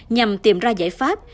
nhằm tìm ra giải pháp